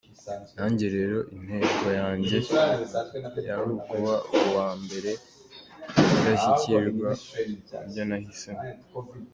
Nanjye rero intego yanjye yari ukuba uwa mbere, indashyikirwa mu byo nahisemo.